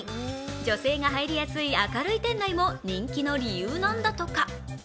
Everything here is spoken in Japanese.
女性が入りやすい明るい店内も人気の理由なんだとか。